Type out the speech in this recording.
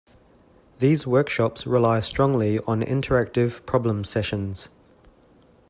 These workshops rely strongly on interactive problem sessions.